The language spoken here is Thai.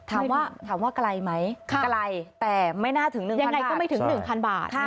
ถามว่ากลายไหมกลายแต่ไม่น่าถึง๑๐๐๐บาท